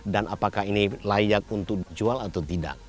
dan apakah ini layak untuk dijual atau tidak